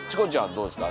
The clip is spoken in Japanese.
どうですか？